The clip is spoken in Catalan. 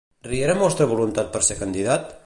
Riera mostra voluntat per ser candidat?